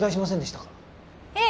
ええ。